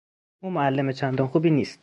او معلم چندان خوبی نیست.